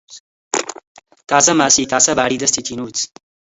تازەماسیی تاسەباری دەستی تینووت